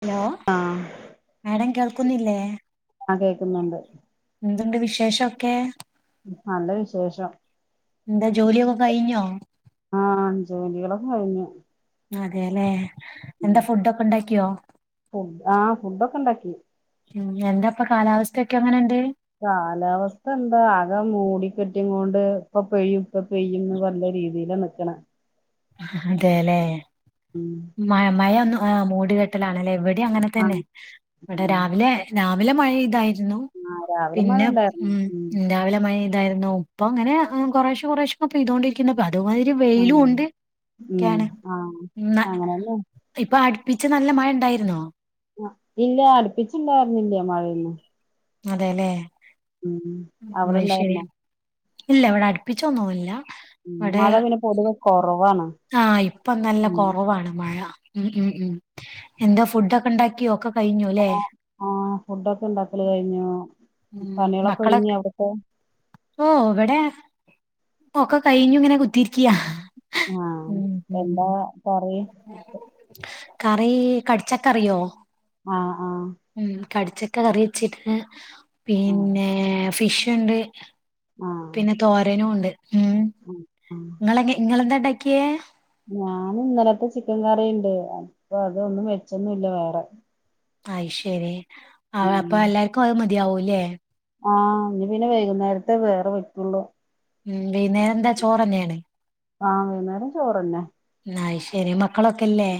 Hello ആഹ് ആടെ കേൾക്കുന്നില്ലേ ആഹ് കേക്കുന്നുണ്ട് എന്തുണ്ട് വിശേഷക്കെ നല്ല വിശേഷം എന്താ ജോലിയൊക്കെ കഴിഞ്ഞോ ആ ജോലികളൊക്കെ കഴിഞ്ഞു അതെലെ എന്താ ഫുഡ്‌ക്കെ ഉണ്ടാകിയോ ആ ഫുഡ്‌യൊക്കെണ്ടാക്കി ഉം എന്താപ്പാ കാലാവസ്ഥക്കാ എങ്ങനാണ്ട് കാലാവസ്ഥ ന്താ ആക മൂടി കെട്ടികൊണ്ട് ഇപ്പ പെയ്യും ഇപ്പ പെയ്യും ന്ന് പറഞ് രീതിയിലാ നിക്കണെ ആ അതെല്ലേ ഉം മഴ മഴ ഒന്ന് മൂടി കേട്ടലാണ് ലെ ഇവിടെ ങ്ങാൻതന്നെ ആഹ് ഇവിടെ ഉം രാവിലെ രാ രാവിലെ മഴ യതർന്നു ആഹ് രാവിലെ മഴ പിന്നെ ഉണ്ടായിരുന്നു ഉം ഇണ്ടാടെ മഴ.. ണ്ടായിരുന്നു ഇപ്പൊ ങ്ങനെ കുറേശെ കുറേശെക്കെ പൈതോണ്ടിരിക്കുന്നു ബാ തുമാരി ആ വെയിലുണ്ട് ഉം കണ് ആഹ് ണ്ണ അങ്ങനെന്നെ ഇപ്പ അടുപ്പിച്ച നല്ല മയണ്ടാരുന്നോ അ ഇല്ല അടിപ്പിച്ണ്ടായിരുന്നില്ല മഴയൊന്നും അതെല്ലേ ഉം ഉം, അത് ശരി അവടെണ്ടായിരുന്നോ ഇല്ല ഇവിടെഡിപ്പിച്ചൊന്നുല്ല ഉം മഴ പിന്നെ പൊതുവെ കൊറവാണ് ആ ഇപ്പം നല്ല ഉം കൊറവാണ് മഴ ഉം ഉം ഊ എന്താ ഫുഡക്കെ ഉണ്ടാകിയോ ഒക്കെ കഴിഞ്ഞുല്ലേ അ ആ ഫുഡോക്കെ ണ്ടാക്കല് കഴിഞ്ഞു ഉം പണിളൊക്കെ ഒരുങ്ങി മക്കളൊക്കെ അവിടേക്കെ ഓ വടെ ഒക്കെ കഴിഞ്ഞുങ്ങനെ കുത്തിരിക്ക ആഹ് ഉം എന്താ ഉം കറി കറി കടിച്ചക്കറിയോ ആ ആ ഉം കടിച്ചക്ക കറി വെചികണ് ആഹ് പിന്നെ ഫിഷിണ്ട് ആഹ് പിന്നെ തോരനുണ്ട് ഉം ആഹ് ആഹ് ങ്ങളെ ങ്ങളെന്തേണ്ടാക്കി ഞാനിന്നലത്തെ ചിക്കം കറിണ്ട് അപ്പതൊന്നും വെച്ചോന്നുല്ല വേറ അയിശരി അവ അപ്പ എല്ലാർക്കും അത് മതിയാകുലേ ആ ഞ് പിന്നെ വൈകുന്നേരത്ത വേറെ വെക്കുള്ളു ഉം പിന്നെ ന്താ ചോറെന്നാണ് ആ വൈന്നേരം ചോറെന്നെ അഹ് ശരി മക്കളൊക്കല്ലേ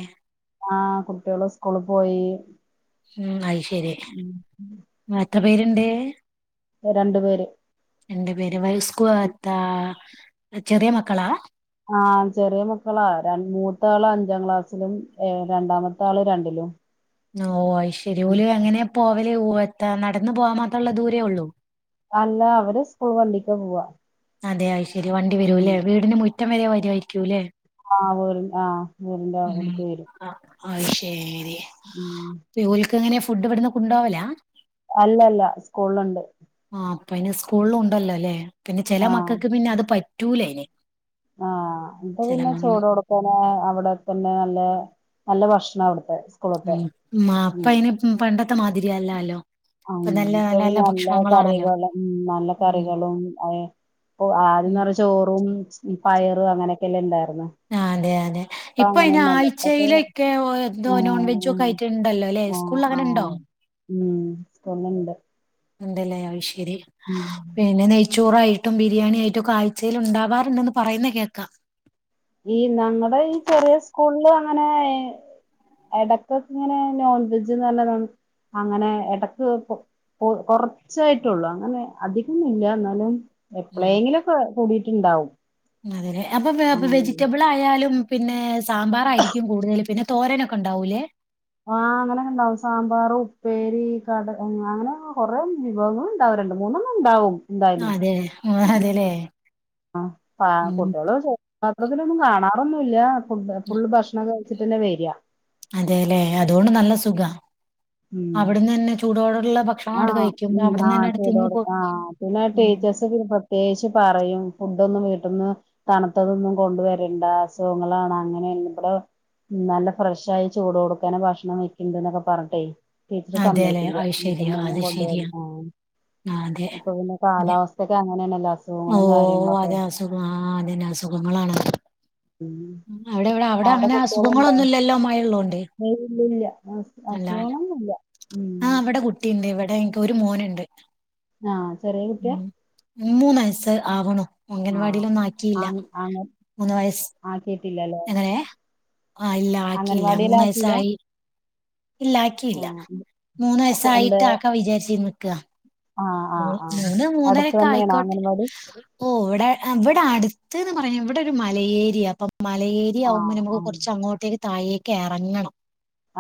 ആ കുറ്റോൾ സ്കോള് പോയി ഉം അഹ് ശ ങേഹ് ഉം ങ്ങളെത്ര പേരെണ്ട് രണ്ടു പേര് എന്റെ പേര് വയസ്ക്കോളത്താ ചെറിയ മക്കളാ ആ ചെറിയ മക്കളാ രൺ മൂത്താള് അഞ്ചാം ക്ലാസ്സിലും ഏ രണ്ടാമത്താള് രണ്ടിലും നോ വഹ് ശരി ഉം ഓല് എങ്ങനെ പോവല് ഓ താ നടന്ന അല്ല അവര് സ്കൂൾ വണ്ടിക്ക പോവാ അതെ അതുശരി വണ്ടി ഉം വരും അല്ലേ വീടിന് മുറ്റം വരെ വരും ആയിരിക്കും അല്ലേ ആ് വേറി ആ് വേറിന്റെ അടുത്ത് വരും അ ശെ ഉം ഇങ്ങനെ ഫുഡ് ഇവിടുന്ന് കൊണ്ട പോോകലാ അല്ല അല്ല സ്കൂളിൽ ഉണ്ട് ആ അപ്പ അന് സ്കൂളില ഉണ്ടല്ലോ അല്ലേ പിന്നെ ചില മക്കൾക്ക് പിന്നെ അത് പറ്റൂല അയിന് ആഹ എന്താ പിന്നെ ചൂടോടുക്കണേ അവിടെ തന്നെ നല്ല നല്ല ഭക്ഷണം അവിടു ഉ ഇപ്പൊ അയിന് പണ്ടത്തെ മാതിരിയല്ലല്ലോ ആ ഇപ്പത് നല്ല കറികളും ഉ നല്ല ഉം കറികളും അ ഇ ഉം ആദ്യംന്ന് പറഞ്ഞ ചോറും പയറും അങ്ങനെയൊക്കെ എല്ലാം ഇണ്ടായിന്ന് ആഹ് അതെ അതെ ഇപ്പൊ അയിന് ആഴ്ചയിലൊക്കെ എന്തോ നോൺവെജ ആഹ് ഒക്കെ ആയിട്ട് ഉണ്ടല്ലോ അല്ലെ സ്കൂ ആഹ് അങ്ങനെ ഉണ്ടോ ആഹ് ഉം തോന്നണ്ട് ഇണ്ട് ല്ലേ ആയിശേരി പിന്നെ നെയ് നെയ്ചോറായിട്ടും ബിരിയാണി ആായിട്ടും ആഴ്ചയിൽ ഉണ്ടാവാറുണ്ടന്ന് പറയുന്ന കേൾക്കാം ഈ ഞങ്ങളുടെ ഈ ചെറിയ സ്കൂളിൽ അങ്ങനെ എടക്ക് ഒക്കെ ഇങ്ങനെ നോൺവെജ് നല്ലത അങ്ങനെ ഇടക് കൊറച്ചായിട്ടള്ളൂ അങ്ങനെ അധികൊന്നും ഇല്ല എന്നാലും എപ്പോളെങ്കില്ക്കെ കൂടിയിട്ടുണ്ടാവും അതല്ലെ അപ്പൊ ആഹ് വെജിറ്റബിൾ ആയാലും പിന്നെ സാമ്പാറായിരിക്കും കൂടുതൽ പിന്നെ തോരനൊക്കെ ഉണ്ടാവൂലേ ആ അങ്ങനെക്കെ ഇണ്ടാവും സാമ്പാർ ഉപ്പേരി കട അങ്ങനെ കൊറെേ വിഭവങ്ങ ഉണ്ടാവും രണ്ട മൂന്നെണ്ണം ഉണ്ടാവും എന്തായാലും അതെ ആ അതെല്ലേ ആ ഉം കുട്ട്യള് പാത്രത്തിലൊന്നും കാണാറൊന്നുംല്ല ഫുള് ഭക്ഷണം ച്ട്ടന്നെ വരിക അതെല്ലെ അതുകൊണ്ട് നല്ല സുഖ ഉം അവിടുന്ന് തന്നെ ചൂടോടുള്ള ഭക്ഷണ ആ [unintelligible] ആ ചെയ്ത കൊടുക്ക ആ പിന്നെ ഉം ടീച്ചേഴസ് പിന്നെ പ്രത്യേകിച്ച് പറയും ഫു ടൊന്നും വീട്ടന്ന് തണുത്തതൊന്നും കൊണ്ട് വരണ്ട അസുഖങ്ങളാണ് അങ്ങനെ ഇവിടെ നല്ല ഫ്രഷ് ആയി ചൂടോട്ക്കന്നെ ഭക്ഷണം വെക്ക്ണ്ട് എന്നൊക്കെ പറഞ്ഞട്ടെ ടീച്ചർ അതെല്ലെ സമ്മയക്കില്ല അത് ശരിയാ ഒന്നും അത് കൊണ്ടുവാ ശരിയാ ആഹ് ആഹ് അതെ ഇപ്പൊ പിന്നെ അതെ. കാലാവസ്ഥ ക്കെ ഓ അതെ അസുഖ ആ അതന്നെ അസുഖങ്ങളാണ് ഉം അവിടെ ഇവിടെ അവിടെ അങ്ങനെ അസുഖങ്ങളൊന്നുംല്ലല്ലോ മഴള്ളൊണ്ട് അ അസുഖകളൊന്നും ഇല്ല ഉം കുട്ടിണ്ട് ഇവിടെ എനിക് ഒരു മോനുണ്ട് ആ ചെറിയ കുട്ടിയാ മൂന്നയസ് ആവണോ അംഗൻവാടിലൊന്നും ആ ആക്കിയില്ല അങ്ങ മൂന്ന് വയസ് ആക്കിയിട്ടില്ലല്ലേ എങ്ങനെ ആഹ ഇല്ല ആക്കിയില്ല അംഗൻവാടിൽ മൂന്ന് ആക്കില്ല വയസായി ഇല്ല ആക്കിയില്ല ആ മൂന്ന് അപ്പൊ എന്താ വയസായിട്ട് ആക്ക വിചാരിച്ച നിക്ക ആഹ് ആഹ് ആഹ് ഞന്ന് അടുത്ത് മൂന്നരക്കെ തന്നെയാണോ ആയിക്കോട്ടെ അംഗൻവാടി ഓ ഇവിടെ ഇവിടെ അടു ത്ത്ന്ന് പറഞ്ഞ ഇവിടെ ഒരു മലേരിയ അപ്പം ആഹ് മലേരിയാവുമ്പോൾ നമുക്ക് ആഹ് കുറച്ച് അങ്ങോട്ടേ തായേക്ക് എറങ്ങണം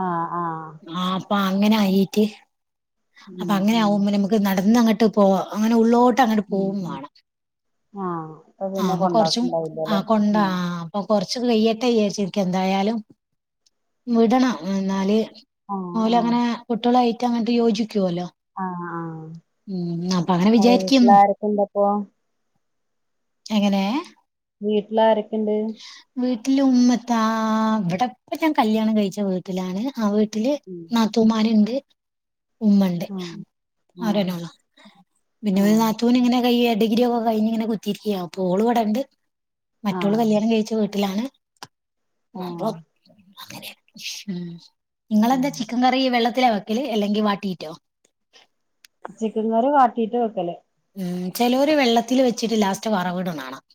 ആഹ് ആഹ് ആ അപ്പൊ അങ്ങനെ ആയിട്ട് ഉം അപ്പൊ അങ്ങനെ ഉം ആകുമ്പ നമുക്ക് നടന്നങ്ങോട്ട് പോ അങ്ങനെ ഉള്ളോട്ട് അങ്ങോട്ട് ഉം പോകും ഉം വേണം ആഹ് ആ പിന്നെ അപ്പൊ കൊറച്ചും ആ കൊണ്ടാക്കണ്ടാവില്ലല്ലേ കൊണ്ടാ ഉം അപ്പൊ കൊറ കൊറച്ച് കയ്യട്ടെ വിചാരിച്ചു എന്തായാലും വിടണം എന്നാല് ആഹ് ഓല് ആഹ് അങ്ങനെ കുട്ടികളായിട്ട് അങ്ങട്ട് യോജിക്ക ക്കൂലൊ. ആഹ് ആഹ് ഉം. അപ്പങ്ങനെ അത് വിചാരിക്കുന്നു. വീട്ടിലാരൊക്കെണ്ടപ്പൊ എങ്ങനെ വീട്ടിലാരൊക്കെ ഇണ്ട് വീട്ടില് ഉുമത്ത ഇവിടെപ്പ ഞാൻ കല്യാണം കഴിച്ച വീട്ടിലാണ് ആ വീ ല് ഉം നാത്തൂൻമാര് ഉണ്ട് ഉമ്മണ്ട് ആഹ് ഒരാളെ ആഹ് ഉള്ളു പിന്നെ ഒരു ആഹ് നാത്തൂന് ഇങ്ങനെ കൈ ഡിഗ്രിയൊക്കെ കഴിഞ്ഞ് ഇങ്ങനെ കുത്തിരിക്ക പ്പോള് ഇവിടെണ്ട് മറ്റുള്ളോ ആഹ് കല്യാ ണം കഴിച്ച് വീട്ടിലാണ് ആഹ് അപ്പം അങ്ങനെ ഉം ഉം നിങ്ങളെന്താ ചിക്കൻ കറി വെള്ളത്തിലാ വെക്കല് അല്ലെങ്കി വാട്ടീറ്റോ ചിക്കൻ കറി വാട്ടീട്ട് വെക്കല് ഉം ചിലവര് വെള്ളത്തില് വെച്ചിട്ട് ലാസ്റ്റ് വറവിടുന്ന കാണാം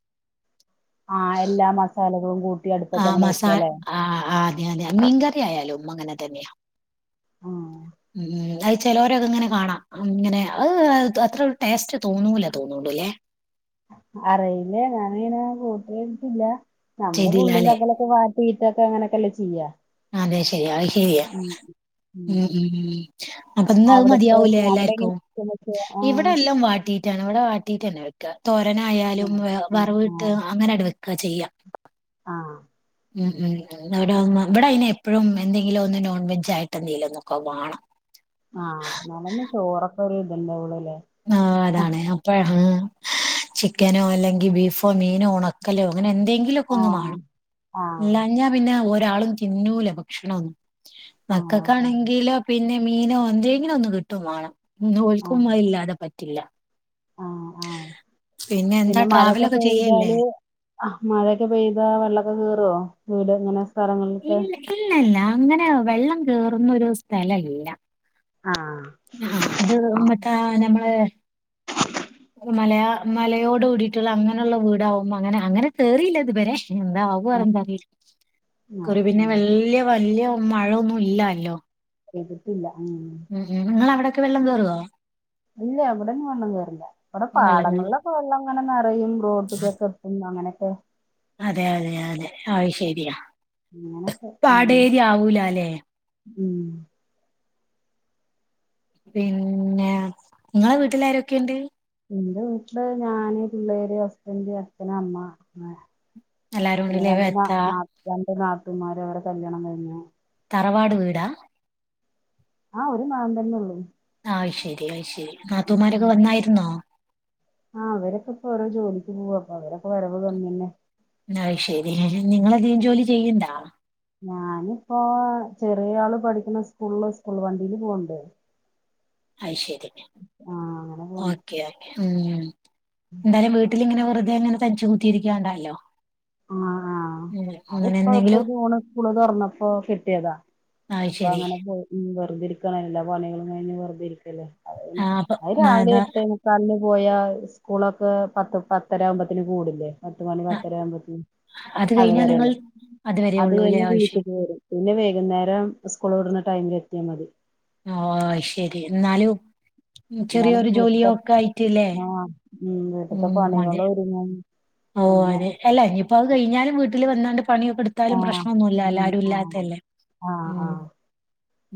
ആഹ് എല്ലാ മസാലകളും കൂട്ടി ആ അടുപ്പത്തെങ്ങടെ മസാ വെക്കല്ലേ ആ ആ അതെ അതെ മീൻകറിയായാലുംമ്മ അങ്ങനെ തന്നെയ ആഹ് ഉം അത് ചെലവരൊക്കെ ഇങ്ങനെ കാണാം ഇങ്ങനെ അത് അത്ര ടേസ്റ്റ് തോന്നൂല തോന്നുന്നു ല്ലേ അറിയില്ല ഞാൻ അങ്ങനെ കൂട്ടിയട്ട്ല്ല നമ്മള് ഉള്ളി ചെയ്തില്ലാല്ലേ തക്കളിക്കെ വാട്ടി ട്ട് അങ്ങനൊക്കെല്ലേ ചെയ്യാ ശരി ശരിയ ഉം ഉം ഉം ഉം അപ്പൊ ന്ന് അത് അവിടുത്തെ മതിയാവൂല എങ്ങനെ- അവിടെ എങ്ങനെ എല്ലാർക്കും ഇവിടെ ആഹ് എല്ലാം വാട്ടീയിട്ടാണ് ഇവിടെ വാട്ടീട്ട് തന്നെ വ യ്യ്ക്കാ തോരനായാലും ആഹ് വ ഉം വറവ്ട്ട് ആഹ് അങ്ങനെ ആണ് വെക്ക ചെയ്യാ ആഹ് ഉം ഉം ഇവിടെ ഉമ്മ ഇവിടെ അയിന് എപ്പോഴും എന്തെങ്കിലും ഒന്ന് നോൺ വെജ ആയിട്ട് എന്തെല്ക്കെ വേണം ആഹ് നന്ന ചോറൊക്കെ ഇതിെന്റെ ഉള്ളലേ ആഹ് അതാണ് അപ്പ ചിക്കനോ അല്ലെങ്കിൽ ബീഫോ മീനോ ഉണക്കലോ അങ്ങനെ എന്തെങ്കിലുംക്കെ ഒന്ന് ആഹ് വേണം ഇല്ലഞ്ഞഞാ പിന്നെ ഒരാളും തിന്നൂല ഭക്ഷണൊന്നും ആഹ് ആഹ് മക്കക്കാണെങ്കിലോ പിന്നെ മീനോ എന്തെങ്കിലും ഒന്ന് കിട്ടോ വേണം നോൽക്കുമ്മ ഇല്ലാതെ പറ്റില്ല ആഹ് ആഹ് എന്താ പിന്നെ മഴൊക്കെ ട്രാവലൊക്കെ ചെയ്യല്ലേ? പെയ്താല് മഴയൊക്കെ പെയ്താ വെള്ളമൊക്കെ കേറുവോ വീട് ഇങ്ങനെ സ്ഥലങ്ങളിലക്കെ ഇല്ല ഇല്ല ഇല്ല അങ്ങനെ വെള്ളം കേറുന്ന ഒരു സ്ഥലല്ല ആഹ് ആഹ് അത് മറ്റ നമ്മള് ഒരു മലയാ മലയോട് കൂടിട്ടുള്ള അങ്ങനെയുള്ള വീടാവും അങ്ങനെ അങ്ങനെ കേറിയില്ല ഇതുവരെ എന്താ ആകു അറിയില്ല ആഹ് കുറി പിന്നെ ആഹ് വല്യ വലിയ മഴൊന്നും ഇല്ലല്ലോ പെയ്‌തിട്ടില്ല ഉം ഉം നിങ്ങ അവിടൊക്കെ വെള്ളം കേറുവോ ഇല്ല ഇവിടങ്ങും വെള്ളം കേറില്ല ഇവിടെ വെള്ളം കേറി പാടങ്ങളിലൊക്കെ വെള്ളം അങ്ങനെ നിറഞ്ഞ് ട്ട് [unintelligible] അങ്ങനെയൊക്കെ അതെ അതെ അതെ അത് ശരിയാ അങ്ങനെയൊക്കെ ഉം പാടേരി ആവൂലാലേ ഉം പിന്നെ നിങ്ങളെ വീട്ടിൽ ആരക്കെണ്ട് എന്റെ വീട്ടില് ഞാന് പിള്ളേര് ഹസ്ബന്റ് അച്ഛന അമ്മ എല്ലാരും പിന്നെ ഉണ്ടല്ലേ രണ്ട് എത്താ ന രണ്ട് നാത്തൂൻമാര് അവരടെ കല്യാണം കഴിഞ്ഞു തറവാട് വീടാ ആഹ് ഒരു മാം തന്നെ ഉള്ളൂ അ് ശരി അത് ശരി നാത്തൂമാരൊക്കെ വന്നായിരുന്നോ ആഹ് അവരൊക്കെ ഇപ്പൊ ഓരോ ജോലിക്ക് പോവാ അപ്പൊ അവരൊക്കെ വരവ് [unintelligible] എന്ന ശരി നിങ്ങള് ന്തെങ്കിലും ജോലി ചെയ്യണ്ടാ ഞാനിപ്പോ ചെറിയ ആള് പഠിക്കുന്ന സ്കൂളില് സ്കൂള് വണ്ടിയില് പോവണ്ട് അയ് ശരി അങ്ങനെ പോണ്ട് ഓക്കെ ഓേ ഉം എന്തായാലും വീട്ടിലിങ്ങനെ വെറുതെ അങ്ങനെ തനിച് കൂത്തിയിരികണ്ടല്ലോ ആ ആഹ അതിപ്പോ ഇപ്പ എന്തെങ്കിലും ജൂൺ സ്കൂള് തുറന്നപ്പോ കിട്ടിയതാ അത് അപ്പൊ ശരി അങ്ങനെ പോയി വരുദെ ഇരിക്ക എല്ലാ പണികളും കഴിഞ് വെറുതിരിക്ക ആ അപ്പൊ അത് രാവിലെ അതാ എട്ടേമുക്കാലിനു പോയാൽ സ്കൂളൊക്കെ പത്ത് പത്തര ആവുമ്പത്തിന് കൂടില്ലേ പത്ത് മണി പത്തരവുമ്പത്ത അത് കഴിഞ്ഞാ നിങ്ങൾ അതുവരെഴുള്ള അതുവരെ അത് ഉള്ളൂല്ലേ കഴിഞ്ഞു ആവശ്യം വീട്ടിൽ പോരും പിന്നെ വൈകുന്നേരം സ്കൂൾ വിടുന്ന ടൈമിൽ എത്തിയാൽ മതി ഓഅയ് ശരി എന്നാലും എന്നാലും ചെറിയൊരു ജോലിയ വീട്ട്ത്തെ ഒക്കെ ആയിട്ടല്ലേ ആഹ് ഉം വീട്ട്ത്തെ പണികൾ ഒരുങ്ങ ഓ അതെ അല്ല ഇനിയിപ്പോ അത് കഴിഞ്ഞാലും വീട്ടിൽ വന്ന പണിഒക്കെ എടുത്താലും ആഹ് പ്രശ്നമൊന്നുല്ല ഉം ആരു ആഹ് ഇല്ലാത്തല്ലേ ഉ ആഹ് ആഹ്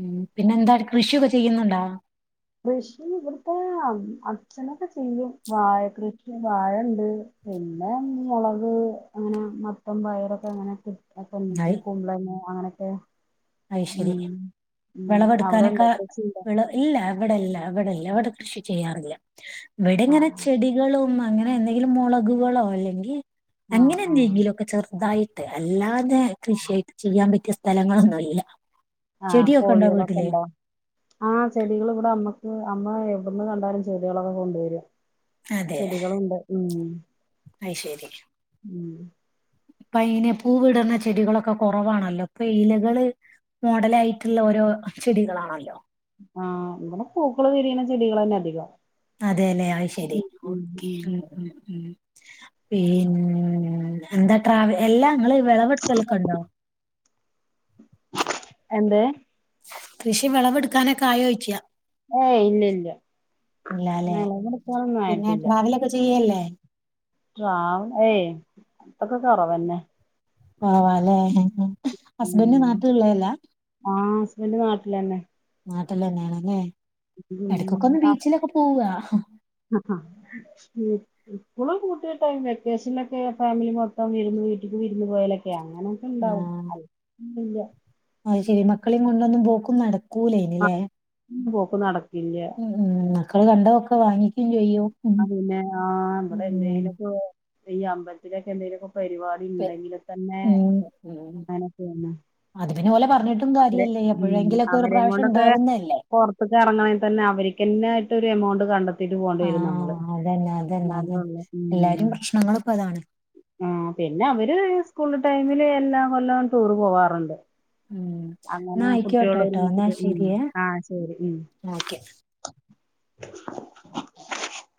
ഉം പിന്നെ എന്താ കൃഷിയൊക്കെ ചെയ്യുന്നുണ്ടോ കൃഷി ഇവിടുത്തെ അച്ഛനൊക്കെ ചെയ്യും വായ കൃഷി വായ ഉണ്ട് പിന്നെ മുളക് അങ്ങനെ മത്തൻ പയറോക്കെ അങ്ങനെ കി കുമ്പളങ്ങ അങ്ങനെയൊക്കെ അയ് ശരി അവിടെണ്ടോ വിളവെടുക്കാനൊക്കെ കൃഷിണ്ടോ വിള ഇല്ല ഇവിടെല്ല ല്ലവിടെ കൃഷി ചെയ്യാറില്ല ഇവിടെ ഇങ്ങനെ ആഹ് ചെടികളും അങ്ങനെ എന്തെങ്കിലും മുളകുകളോ അല്ലെങ്കിൽ ആഹ് അങ്ങനെ ആഹ് എന്തെങ്കിലും ഒക്കെ ചെറുതായിട്ട അല്ലാതെ കൃഷിയായിട്ട് ചെയ്യാൻ പറ്റിയ സ്ഥലങ്ങളൊന്നുമല്ല ആഹ കോഴികളൊക്കെ ഉണ്ടാവും ആ ചെടികൾ ഇവിടെ അമ്മ അമ്മ എവിടന്ന് കണ്ടാലും ചെടികളൊക്കെ കൊണ്ടുവരും ചെടികളുണ്ട് ഉ- അയ് ശരി ഉം പ്പായൻ [unintelligible] പൂവിടുന്ന ചെടികളൊക്കെ കുറവാണല്ലോ ഇപ്പൊ ഇലകള് മോഡല ആയിട്ടുള്ള ഓരോ ചെടികളാണല്ലോ ആഹ് ഇവിടെ പൂക്കള് വിരിയുന്ന ചെടികൾ തന്നെ അധികം- അതെല്ലെ ആ ശരി ഉം ഉ ഉം ഉം ഉ ഉ പിന്നെ എന്താ ട്രാവ എല്ലാ നിങ്ങള് വിളവെടുക്കലൊക്കെ ഉണ്ടാവോ എന്തു കൃഷി വിളവെടുക്കാനൊക്കെ ആയോ ചോയ്ക്ക ഏയ് ഇല്ല ഇല്ല ഇല്ലല്ലേ വെളവെടുക്കാനൊന്നും പിന്നെ ആയിട്ടില്ല ട്രാവലൊക്കെ ചെയ്യല്ലേ ട്രാവൽ ഏയ് അതൊക്കെ കുറവന്നെ പാവം ആ അല്ലേ ഹസ്ബൻഡ ഉം നാട്ടിലുള്ളതല്ല ആഹ് ഹസ്ബൻഡ് നാട്ടിലന്നെ നാട്ടിലാന്നെ ലെ ഇടക്കൊക്കെ ഒന്ന് ബീച്ചിലൊക്കെ പോവാ ഇപ്പോളും വെക്കേഷനിലൊക്കെ ഫാമിലി മൊത്തം വരുന്ന- വീട്ടിൽക്ക് വിരൂന്ന് പോയലൊക്കെ അങ്ങനൊക്കെ ഇണ്ടാവും അല്ല അയ് ശെരിമക്കളെയും കൊണ്ടൊന്നും പോക്ക് നടക്കൂല ഇല്ലേ പോക്ക് നടക്കും ഉ ഉം മക്കള് കണ്ടതൊക്കെ വാങ്ങിക്കയും ചെയ്യും ഉം ആ പിന്നെ ആ നമ്മടെ ഉം എന്തെലൊക്കെ ഈ അമ്പത്തിലൊക്കെ എന്തെലൊക്കെ പരിപാടി പെ- ഉണ്ടെങ്കിൽ തന്നെ ഉം ഉം അങ്ങനെ തിന്ന- അത് പിന്നെ ഓലെ പറഞ്ഞിട്ടും കാര്യല്ലേ എപ്പോഴെങ്കിലൊക്കെ ഒരു അവരേം പ്രാവശ്യം കൊണ്ടൊക്കെ ഉണ്ടാവുന്നതല്ലേ പുറത്തൊക്കെ ഇറങ്ങണമെങ്കിൽ തന്നെ അവ- ആയിട്ടൊ ഒരു എമൗണ്ട് കണ്ടെത്തിട്ട് പോകേണ്ടി വരും നമ്മൾ- ആഹ് അതന്നെ അതന്നെ അതന്നെ എല്ലാരും പ്രശ്നങ്ങളൊക്കെ അതാണ് ആ പിന്നെ അവര് സ്കൂൾ ടൈമില് എല്ലാ കൊല്ലം ടൂർ പോവാറുണ്ട് ഉം എന്നാ അങ്ങനെ കുട്ടികൾ ആയിക്കോട്ടെ ട്ടോ എന്നാ ഒരുമിച്ചിട്ട് ശരിയേ ആഹ ശരി ഓക്കെ [inaudible]